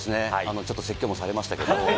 ちょっと説教もされましたけれども。